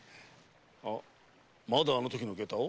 あまだあのときの下駄を？